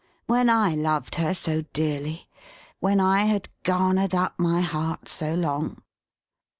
When I loved her so dearly! When I had garnered up my heart so long!"